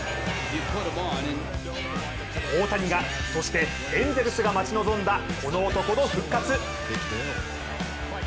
大谷が、そしてエンゼルスが待ち望んだこの男の復活。